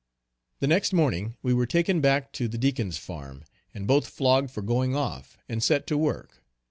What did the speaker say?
The next morning we were taken back to the Deacon's farm, and both flogged for going off, and set to work.